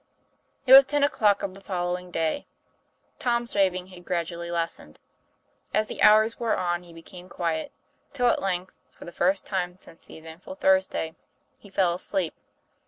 IT was ten o'clock of the following day. Tom's raving had gradually lessened. As the hours wore on he became quiet, till at length, for the first time since the eventful Thursday, he fell asleep.